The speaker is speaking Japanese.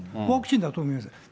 ワクチンだと思います。